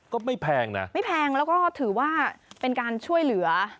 ก็ไม่แพงนะไม่แพงแล้วก็ถือว่าเป็นการช่วยเหลือ